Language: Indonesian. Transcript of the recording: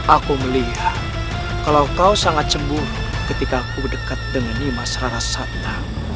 aku melihat kalau kau sangat sembuh ketika aku dekat dengan nimas rarasata